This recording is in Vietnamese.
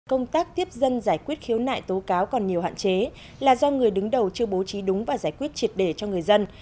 công tác tiếp dân giải quyết khiếu nại tố cáo còn nhiều hạn chế là do người đứng đầu chưa bố trí đúng và giải quyết triệt đề cho người dân